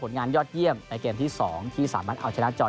งานยอดเยี่ยมในเกมที่๒ที่สามารถเอาชนะจร